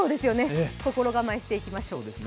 心構えしていきましょう。